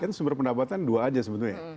kan sumber pendapatan dua aja sebetulnya